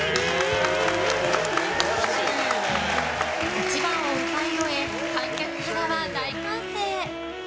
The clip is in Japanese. １番を歌い終え観客からは大歓声。